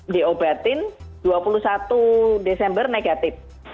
di obatin dua puluh satu desember negatif